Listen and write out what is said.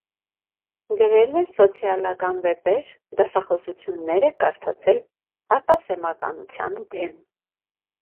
Գրել է սոցիալական վեպեր, դասախոսություններ է կարդացել հակասեմականության դեմ։